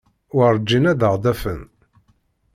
Werǧin ad aɣ-d-afen.